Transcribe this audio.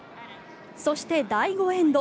そして、第５エンド。